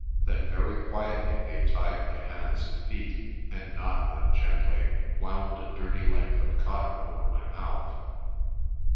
Then very quietly they tied my hands and feet and, not ungently, wound a dirty length of cotton over my mouth.